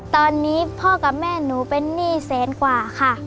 ตอนนี้พ่อกับแม่หนูเป็นหนี้แสนกว่าค่ะ